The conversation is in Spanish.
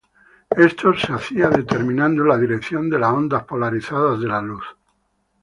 Esto se hacía determinando la dirección de las ondas polarizadas de la luz.